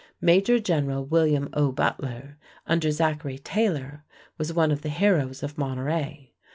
Major General William O. Butler, under Zachary Taylor, was one of the heroes of Monterey.